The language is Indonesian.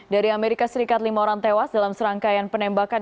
dari amerika serikat lima orang tewas dalam serangkaian penembakan